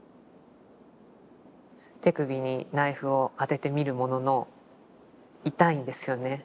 手首にナイフを当ててみるものの痛いんですよね。